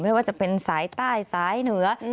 ไม่ว่าจะเป็นสายใต้สายเหนือ